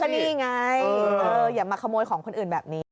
นี่ไงอย่ามาขโมยของคนอื่นแบบนี้